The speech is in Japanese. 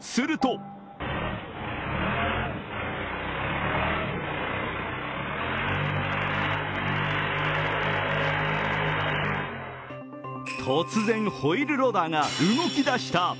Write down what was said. すると突然、ホイールローダーが動き出した。